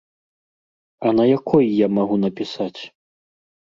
А на якой я магу напісаць?